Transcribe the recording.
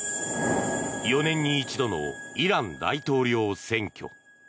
４年に一度のイラン大統領選挙。